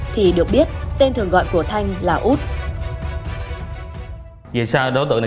thì được biết tên thường gọi của thanh là út